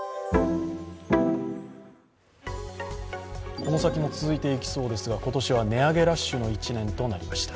この先も続いていきそうですが今年は値上げラッシュの１年となりました。